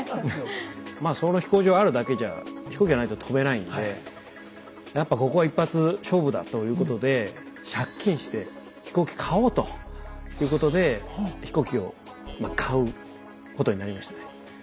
まあその飛行場あるだけじゃ飛行機がないと飛べないんでやっぱここは一発勝負だということで借金して飛行機買おうということで飛行機をまあ買うことになりましたね。